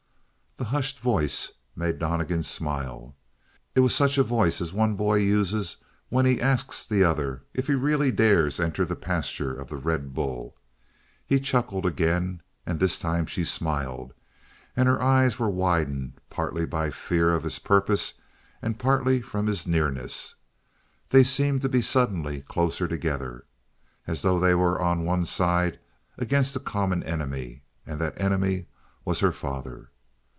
The hushed voice made Donnegan smile it was such a voice as one boy uses when he asks the other if he really dares enter the pasture of the red bull. He chuckled again, and this time she smiled, and her eyes were widened, partly by fear of his purpose and partly from his nearness. They seemed to be suddenly closer together. As though they were on one side against a common enemy, and that enemy was her father.